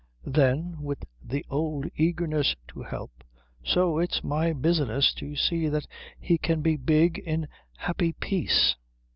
Then, with the old eagerness to help, "So it's my business to see that he can be big in happy peace."